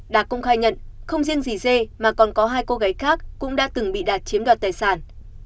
đạt cũng khai nhận không riêng gì dê mà còn có hai cô gái khác cũng đã từng bị đạt chiếm đoạt tài sản